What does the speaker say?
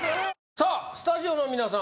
さあスタジオの皆さん